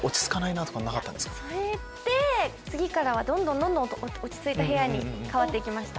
それで次からはどんどんどんどんと落ち着いた部屋に変わって行きました。